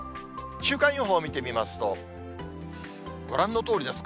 週間予報見てみますと、ご覧のとおりです。